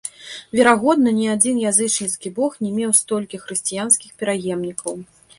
Верагодна, ні адзін язычніцкі бог не меў столькі хрысціянскіх пераемнікаў.